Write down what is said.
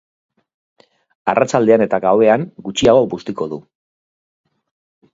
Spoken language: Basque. Arratsaldean eta gauean gutxiago bustiko du.